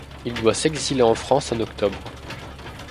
Il doit s’exiler en France en octobre.